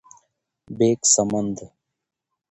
-بیک سمند: